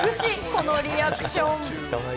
このリアクション。